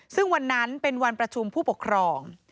ซึ่งวันนั้นเป็นวันประชุมผู้ปกครอง